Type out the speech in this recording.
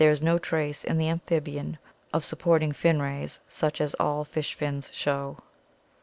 is no trace in the amphibian of supporting fin rays such as all fish fins show.